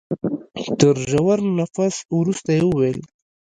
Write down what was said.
تر ژور تنفس وروسته يې وويل.